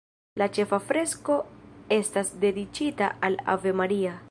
La ĉefa fresko estas dediĉita al Ave Maria.